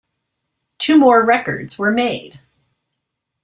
Two more records were made.